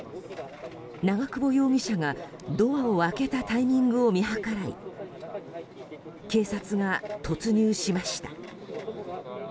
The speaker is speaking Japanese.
長久保容疑者がドアを開けたタイミングを見計らい警察が突入しました。